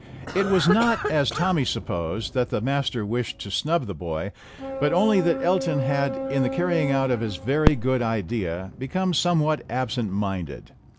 It was not, as Tommy supposed, that the master wished to snub the boy, but only that Elton had in the carrying out of his very good idea become somewhat absent minded.